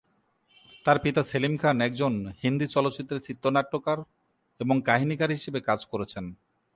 তার পিতা সেলিম খান একজন হিন্দি চলচ্চিত্রের চিত্রনাট্যকার এবং কাহিনীকার হিসেবে কাজ করেছেন।